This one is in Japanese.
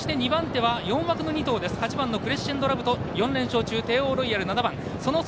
４枠の２頭８番のクレッシェンドラヴとテーオーロイヤル、７番。